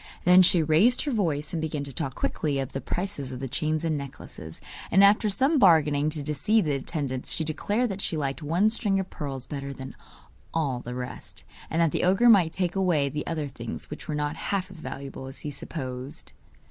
Then she raised her voice, and began to talk quickly of the prices of the chains and necklaces, and after some bargaining, to deceive the attendants, she declared that she liked one string of pearls better than all the rest, and that the ogre might take away the other things, which were not half as valuable as he supposed.